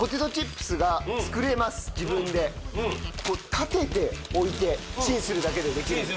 立てて置いてチンするだけでできる。